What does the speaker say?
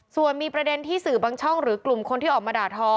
ส่วนมีประเด็นที่สื่อบางช่องหรือกลุ่มคนที่ออกมาด่าทอ